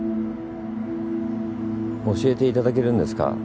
教えていただけるんですか？